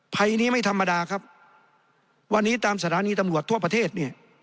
ภัยนี้ไม่ธรรมดาครับวันนี้ตามสถานีตำรวจทั่วประเทศเนี่ย